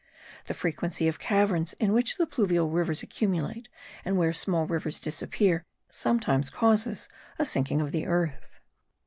The frequency of caverns in which the pluvial waters accumulate, and where small rivers disappear, sometimes causes a sinking of the earth.